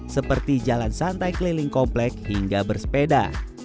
seperti jalan santai keliling komplek hingga bersepeda